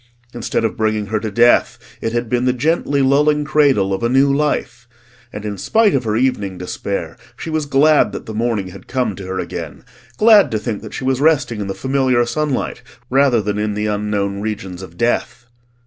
Instead of bringing her to death, it had been the gently lulling cradle of a new life. And in spite of her evening despair she was glad that the morning had come to her again: glad to think that she was resting in the familiar sunlight rather than in the unknown regions of death.